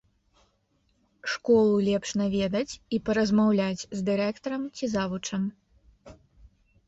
Школу лепш наведаць і паразмаўляць з дырэктарам ці завучам.